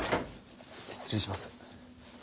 失礼します。